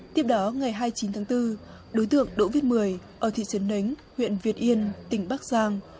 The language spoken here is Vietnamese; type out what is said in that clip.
tiếp đó ngày hai mươi chín tháng bốn đối tượng đỗ viết mười ở thị trấn nánh huyện việt yên tỉnh bắc giang